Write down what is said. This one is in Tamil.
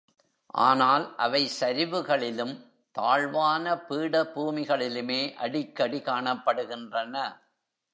ஆனால் அவை சரிவுகளிலும் தாழ்வான பீடபூமிகளிலுமே அடிக்கடி காணப்படுகின்றன.